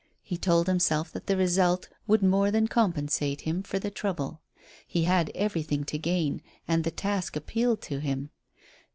He told himself that the result would more than recompense him for the trouble. He had everything to gain, and the task appealed to him.